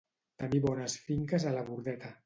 Tenir bones finques a la Bordeta.